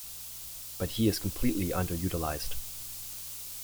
But he is completely under-utilised.